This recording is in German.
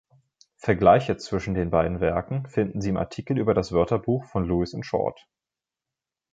Vergleiche zwischen den beiden Werken finden Sie im Artikel über das Wörterbuch von Lewis und Short.